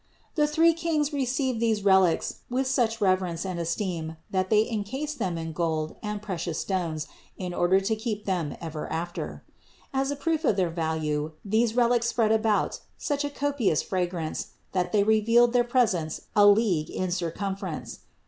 The three Kings received these relics with such reverence and esteem that they encased THE INCARNATION 481 them in gold and precious stones in order to keep them ever after. As a proof of their value these relics spread about such a copious fragrance that they revealed their presence a league in circumference.